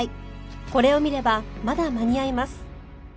これを見ればまだ間に合います